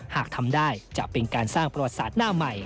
หากทำได้จะเป็นการสร้างประวัติศาสตร์หน้าใหม่